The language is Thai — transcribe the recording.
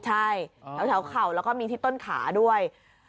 ใช่แถวเข่าแล้วก็มีที่ต้นขาด้วย